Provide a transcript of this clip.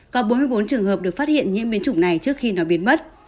có bốn mươi bốn trường hợp được phát hiện nhiễm biến chủng này trước khi nó biến mất